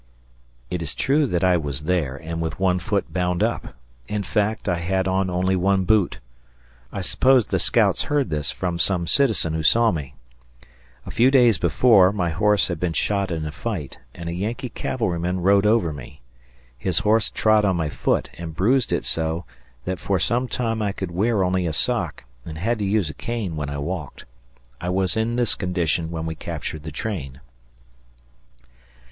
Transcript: It is true that I was there and with one foot bound up. In fact I had on only one boot. I suppose the scouts heard this from some citizen who saw me. A few days before my horse had been shot in a fight, and a Yankee cavalryman rode over me. His horse trod on my foot and bruised it so that for some time I could wear only a sock and had to use a cane when I walked. I was in this condition when we captured the train.